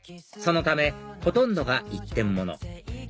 そのためほとんどが一点物